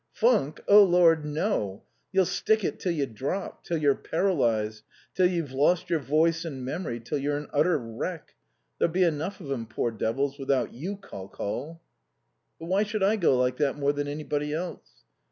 "Funk? Oh, Lord no. You'll stick it till you drop, till you're paralyzed, till you've lost your voice and memory, till you're an utter wreck. There'll be enough of 'em, poor devils, without you, Col Col." "But why should I go like that more than anybody else?"